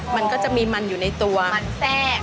มันก็จะมีมันอยู่ในตัวมันแทรก